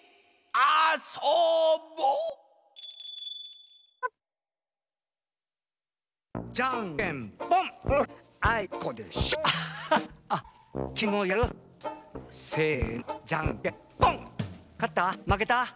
あそぼっ。